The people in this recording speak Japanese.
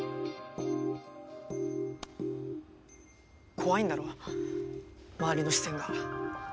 怖いんだろ周りの視線が。